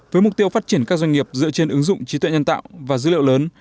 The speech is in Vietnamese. với mục tiêu phát triển các doanh nghiệp dựa trên ứng dụng trí tuệ nhân tạo và dữ liệu lớn